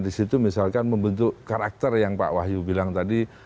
disitu misalkan membentuk karakter yang pak wahyu bilang tadi